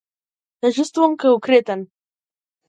Се чувствувам како кретен.